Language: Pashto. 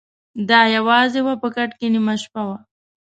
د ا یوازي وه په کټ کي نیمه شپه وه